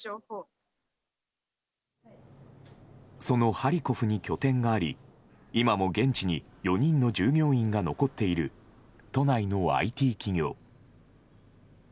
そのハリコフに拠点があり今も現地に４人の従業員が残っている都内のＩＴ企業。